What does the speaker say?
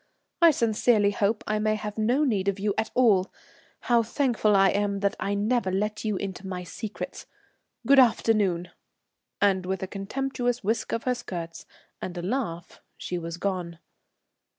I sincerely hope I may have no need of you at all. How thankful I am that I never let you into my secrets! Good afternoon," and with a contemptuous whisk of her skirts and a laugh, she was gone.